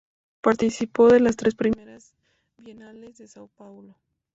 Participó de las tres primeras Bienales de São Paulo.